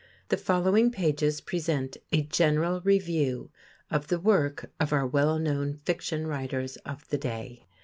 The following pages present a general review of the work of our well known fiction writers of the day.